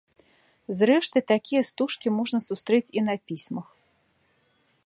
Зрэшты, такія стужкі можна сустрэць і на пісьмах.